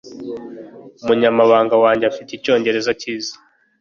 Umunyamabanga wanjye afite icyongereza cyiza.